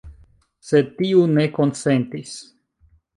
Sed tiu ne konsentis.